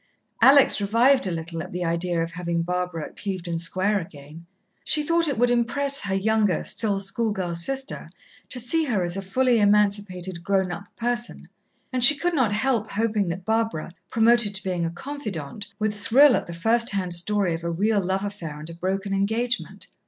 Alex revived a little at the idea of having Barbara at Clevedon Square again. She thought it would impress her younger, still schoolgirl sister to see her as a fully emancipated grown up person, and she could not help hoping that Barbara, promoted to being a confidante, would thrill at the first hand story of a real love affair and a broken engagement.